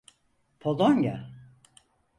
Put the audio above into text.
Polonya…